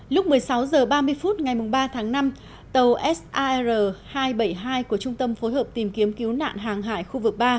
lúc một mươi sáu h ba mươi phút ngày ba tháng năm tàu sar hai trăm bảy mươi hai của trung tâm phối hợp tìm kiếm cứu nạn hàng hải khu vực ba